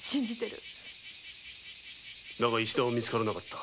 だが石田は見つからなかった。